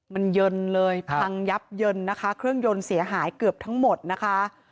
มันเยินเลยพังยับเยินนะคะเครื่องยนต์เสียหายเกือบทั้งหมดนะคะ